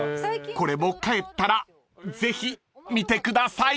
［これも帰ったらぜひ見てください］